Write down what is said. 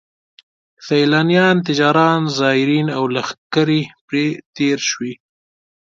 سیلانیان، تجاران، زایرین او لښکرې پرې تېر شوي.